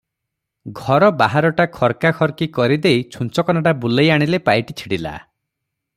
ଘର ବାହାରଟା ଖର୍କାଖର୍କି କରି ଦେଇ ଛୁଞ୍ଚକନାଟା ବୁଲେଇ ଆଣିଲେ ପାଇଟି ଛିଡ଼ିଲା ।